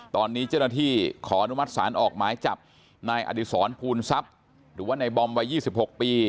ตอนนี้เจ้าหน้าที่ขออนุมัติศาลออกหมายจับนายอดิษรภูลทรัพย์หรือว่าในบอมวัย๒๖ปี